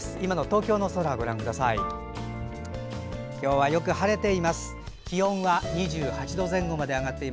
今の東京の空ご覧ください。